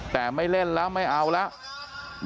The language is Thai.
แต่ไม่เล่นแล้วไม่เอาแล้ว